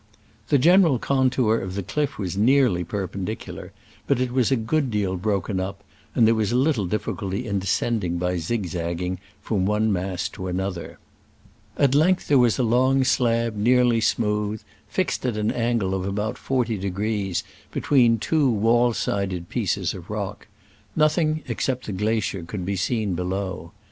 The general contour of the cliff was nearly perpendicular, but it was a good deal broken up, and there was little difficulty in descending by zigzagging from one mass to another. At length there was a long slab, nearly Digitized by Google 12 SCRAMBLES AMONGST THE ALPS IN i86o '69. ' smooth, fixed at an angle of about forty degrees between two wall sided pieces of rock : nothing, except the glacier, could be seen below.